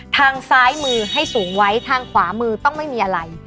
ทางซ้ายมือให้สูงไว้ทางขวามือต้องไม่มีอะไร